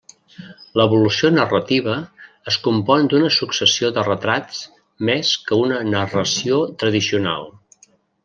L'evolució narrativa es compon d'una successió de retrats més que una narració tradicional.